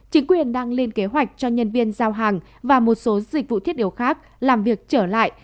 chính quyền đang lên kế hoạch cho nhân viên giao hàng và một số dịch vụ thiết yếu khác làm việc trở lại